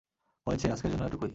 হয়েছে, আজকের জন্য এটুকুই।